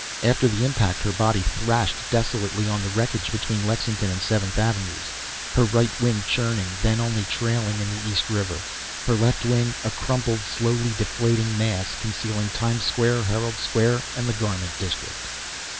After the impact her body thrashed desolately on the wreckage between Lexington and Seventh Avenues, her right wing churning, then only trailing, in the East River, her left wing a crumpled slowly deflating mass concealing Times Square, Herald Square and the garment district.